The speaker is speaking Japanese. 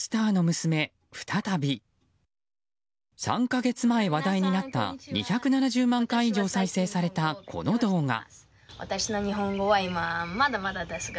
３か月前、話題になった２７０万回以上再生されたこの動画。